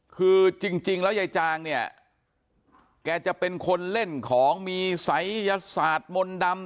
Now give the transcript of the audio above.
คือจริงแล้วยายจางเนี่ยแกจะเป็นคนเล่นของมีศัยยศาสตร์มนต์ดำ